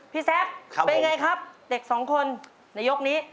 พี่แซ็คเป็นอย่างไรครับเด็กสองคนในยกนี้